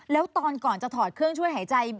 แล้วตอนก่อนจะถอดเครื่องช่วยหายใจ